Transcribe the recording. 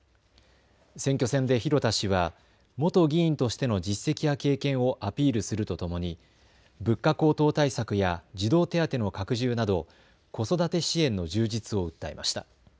選挙戦で広田氏は元議員としての実績や経験をアピールするとともに物価高騰対策や児童手当の拡充など子育て支援の充実を訴えました。